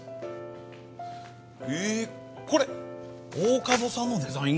えっこれ大加戸さんのデザイン？